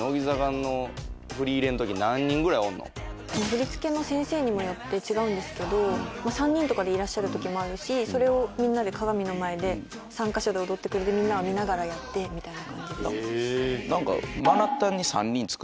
振り付けの先生にもよって違うんですけど３人とかでいらっしゃるときもあるしそれをみんなで鏡の前で３カ所で踊ってくれてみんなが見ながらやってみたいな感じです。